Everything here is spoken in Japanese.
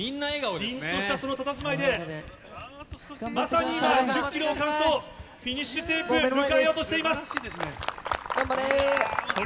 りんとしたそのたたずまいで、まさに今１０キロを完走、フィニッシュテープ、迎えようとしてい頑張れ。